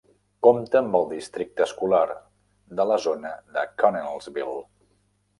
Compta amb el Districte Escolar de la Zona de Connellsville.